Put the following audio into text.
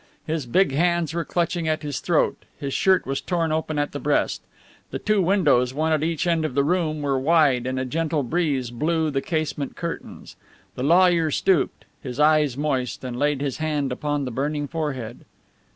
His big hands were clutching at his throat, his shirt was torn open at the breast. The two windows, one at each end of the room, were wide, and a gentle breeze blew the casement curtains. The lawyer stooped, his eyes moist, and laid his hand upon the burning forehead.